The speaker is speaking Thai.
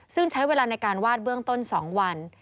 ซึ่งใช้เวลาในการวาดเบื้องต้น๒วัน